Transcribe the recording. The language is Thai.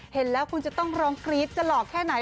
เห็นแล้วคุณจะต้องร้องกรี๊ดจะหล่อแค่ไหน